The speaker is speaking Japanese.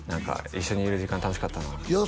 一緒にいる時間楽しかったなよ